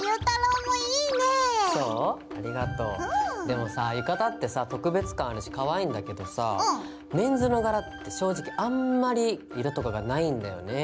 でもさ浴衣ってさ特別感あるしかわいいんだけどさぁメンズの柄って正直あんまり色とかがないんだよね。